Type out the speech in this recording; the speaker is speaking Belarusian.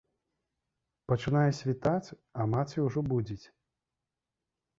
Пачынае світаць, а маці ўжо будзіць.